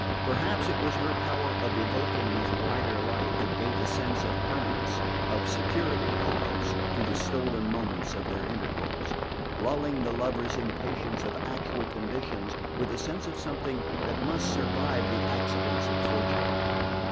Perhaps it was her power of evoking this wider life that gave a sense of permanence, of security almost, to the stolen moments of their intercourse, lulling the lover's impatience of actual conditions with the sense of something that must survive the accidents of fortune.